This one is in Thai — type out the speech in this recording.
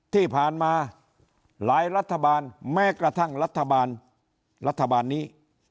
ที่ผ่านมาหลายรัฐบาลแม้กระทั่งรัฐบาลรัฐบาลนี้